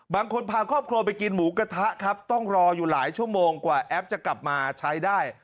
บางคนพาครอบครัวไปกินหมูกระทะครับต้องรออยู่หลายชั่วโมงกว่าแอปจะกลับมาใช้ได้